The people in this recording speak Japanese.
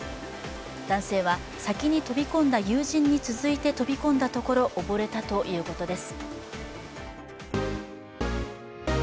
男性は先に飛び込んだ友人に続いて飛び込んだところ、溺れたということです。